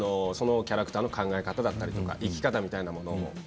そのキャラクターの考え方だったり生き方みたいなもの。